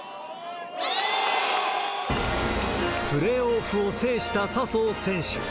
プレーオフを制した笹生選手。